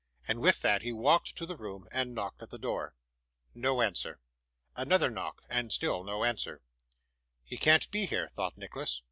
And with that, he walked to the room and knocked at the door. No answer. Another knock, and still no answer. 'He can't be here,' thought Nicholas.